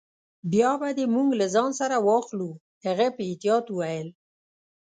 بیا به دي موږ له خپل ځان سره واخلو. هغه په احتیاط وویل.